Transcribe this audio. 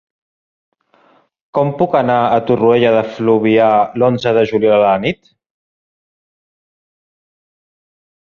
Com puc anar a Torroella de Fluvià l'onze de juliol a la nit?